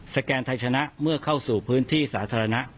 แกนไทยชนะเมื่อเข้าสู่พื้นที่สาธารณะ